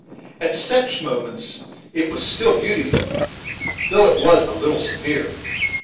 At such moments it was still beautiful, though it was a little severe.